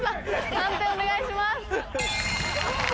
判定お願いします。